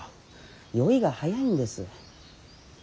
酔いが早いんです。